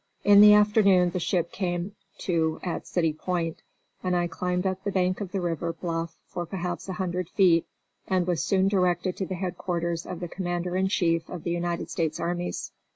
In the afternoon the ship came to at City Point, and I climbed up the bank of the river bluff for perhaps a hundred feet, and was soon directed to the headquarters of the commander in chief of the United States armies.